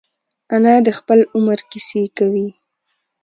انا د خپل عمر کیسې کوي